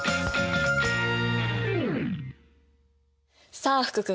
さあ福君